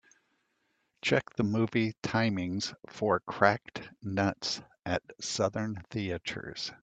Check the movie timings for Cracked Nuts at Southern Theatres.